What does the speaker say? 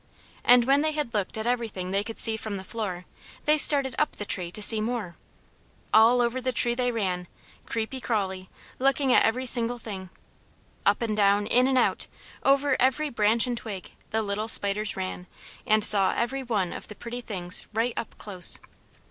And when they had looked at everything they could see from the floor, they started up the tree to see more. All over the tree they ran, creepy, crawly, looking at every single thing. Up and down, in and out, over every branch and twig, the little spiders ran, and saw every one of the pretty things right up close.